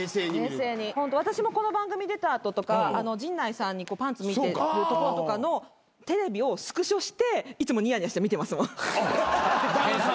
ホント私もこの番組出た後とか陣内さんにパンツ見てるとことかのテレビをスクショしていつもニヤニヤして見てますもん。